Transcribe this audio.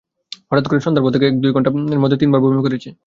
হঠাৎ করে সন্ধ্যার পর থেকে এই দুই ঘন্টা মধ্যে তিনবার বমি করেছে।